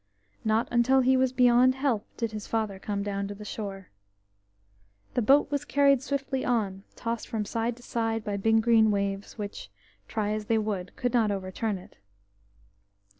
Not until he was beyond help did his father come down to the shore. The boat was carried swiftly on, tossed from side to side by big green waves, which, try as they would, could not overturn it.